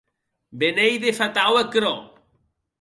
Be n’ei de fatau aquerò!